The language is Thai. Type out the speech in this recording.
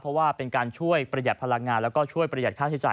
เพราะว่าเป็นการช่วยประหยัดพลังงานแล้วก็ช่วยประหยัดค่าใช้จ่าย